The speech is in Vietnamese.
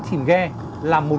chìm ghe làm một